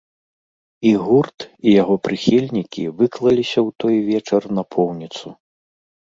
І гурт, і яго прыхільнікі выклаліся ў той вечар напоўніцу!